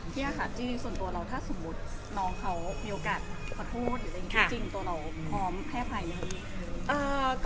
พี่่ากล่าจริงส่วนตัวเราถ้าสมมติน้องเขามีโอกาสขอโทษจริงตัวเราพร้อมให้อภัยไหม